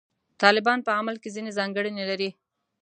طالبان په عمل کې ځینې ځانګړنې لري.